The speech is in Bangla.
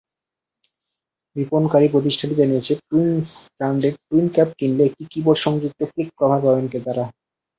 বিপণনকারী প্রতিষ্ঠানটি জানিয়েছে, টুইনমস ব্র্যান্ডের টুইনট্যাব কিনলে একটি কি-বোর্ড সংযুক্ত ফ্লিপকভার পাবেন ক্রেতারা।